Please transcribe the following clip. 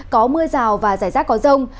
có mưa rào và giải rác có rông